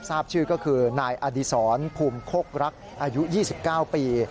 ทราบชื่อก็คือนายอดีศรภูมิโคกรักอายุ๒๙ปี